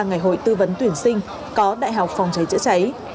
ngày hội tư vấn tuyển sinh có đại học phòng cháy chữa cháy